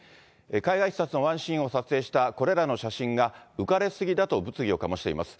海外視察のワンシーンを撮影したこれらの写真が、浮かれ過ぎだと物議を醸しています。